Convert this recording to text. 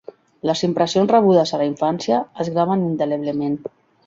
Les impressions rebudes a la infància es graven indeleblement.